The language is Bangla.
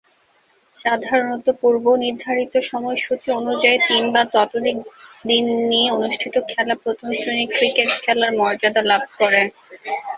সাধারণতঃ পূর্ব নির্ধারিত সময়সূচী অনুযায়ী তিন বা ততোধিক দিন নিয়ে অনুষ্ঠিত খেলা প্রথম-শ্রেণীর ক্রিকেট খেলার মর্যাদা লাভ করে।